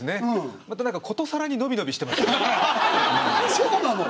そうなの。